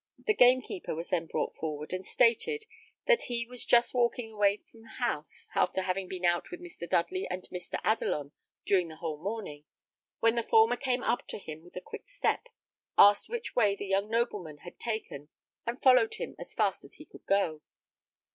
The gamekeeper was then brought forward, and stated, that he was just walking away from the house, after having been out with Mr. Dudley and Mr. Adelon during the whole morning, when the former came up to him with a quick step, asked which way the young nobleman had taken, and followed him as fast as he could go.